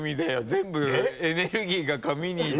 全部エネルギーが髪にって。